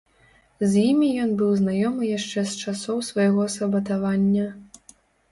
З імі ён быў знаёмы яшчэ з часоў свайго сабатавання.